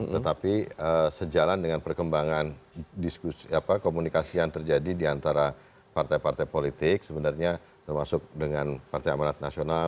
tetapi sejalan dengan perkembangan komunikasi yang terjadi diantara partai partai politik sebenarnya termasuk dengan partai amanat nasional